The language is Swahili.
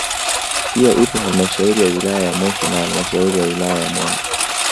Pia ipo halmashauri ya wilaya ya Moshi na halmashauri ya wilaya ya Mwanga